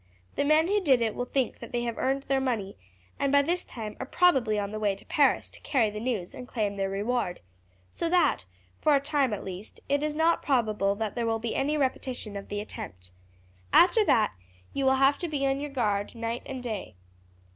The men who did it will think that they have earned their money, and by this time are probably on the way to Paris to carry the news and claim their reward. So that, for a time at least, it is not probable that there will be any repetition of the attempt. After that you will have to be on your guard night and day.